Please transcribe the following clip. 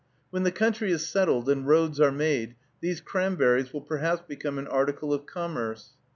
When the country is settled, and roads are made, these cranberries will perhaps become an article of commerce.